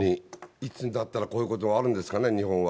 いつになったらこういうことがあるんですかね、日本は。